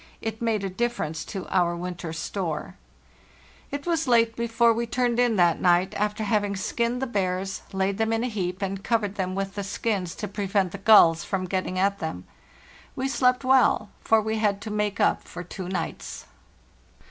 It made a difference to our winter store. LAND AT LAST 405 It was late before we turned in that night after hav ing skinned the bears, laid them in a heap, and covered them with the skins to prevent the gulls from getting at them. We slept well, for we had to make up for two nights.